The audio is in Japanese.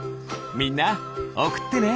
みんなおくってね！